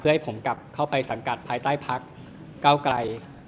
เพื่อให้ผมกลับเข้าไปสังกัดภายใต้ภักดิ์เก่ากลาย